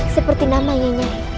seperti nama nyenyai